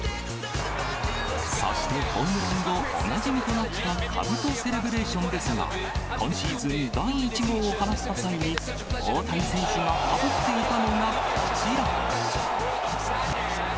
そしてホームラン後、おなじみとなったかぶとセレブレーションですが、今シーズン、第１号を放った際に、大谷選手がかぶっていたのがこちら。